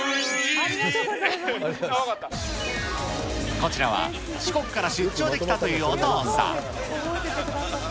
こちらは、四国から出張で来たというお父さん。